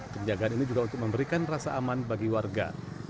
penjagaan ini juga untuk memberikan rasa aman bagi warga